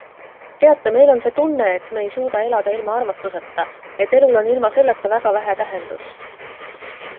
Teate, meil on see tunne, et me ei suuda elada ilma armastuseta, et elul on ilma selleta väga vähe tähendust.